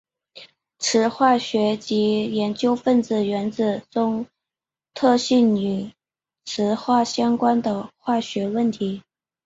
磁化学即研究分子原子中特性与磁学相关的化学问题。